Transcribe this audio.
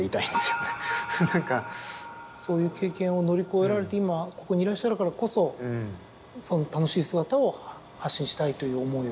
そういう経験を乗り越えられて今ここにいらっしゃるからこそ楽しい姿を発信したいという思いを。